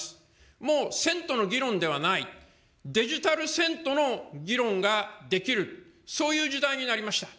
もう遷都の議論ではない、デジタル遷都の議論ができる、そういう時代になりました。